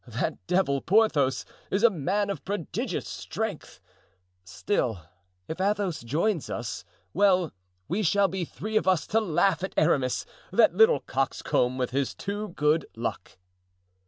That devil, Porthos, is a man of prodigious strength; still, if Athos joins us, well, we shall be three of us to laugh at Aramis, that little coxcomb with his too good luck."